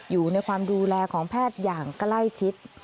อยู่ในความดูแลของแพทย์อย่างใกล้ชิด